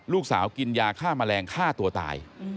ลูกสาวกินยาฆ่าแมลงฆ่าตัวตาย